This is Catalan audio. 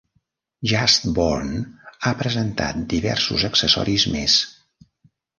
Just Born ha presentat diversos accessoris més.